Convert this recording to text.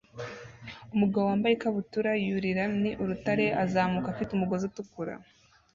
Umugabo wambaye ikabutura yurira ni urutare azamuka afite umugozi utukura